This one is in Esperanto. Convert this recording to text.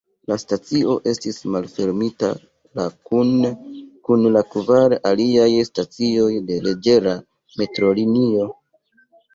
La stacio estis malfermita la kune kun la kvar aliaj stacioj de leĝera metrolinio.